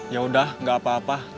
yaudah gak apa apa